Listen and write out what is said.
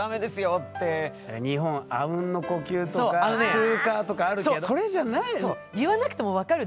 日本あうんの呼吸とかツーカーとかあるけどそれじゃない。